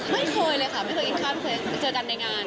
ไม่เคยเลยค่ะไม่เคยกินข้าวไม่เคยเจอกันในงาน